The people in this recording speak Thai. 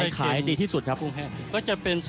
ขัวไข่เค็ม